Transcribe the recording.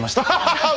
ハハハッ！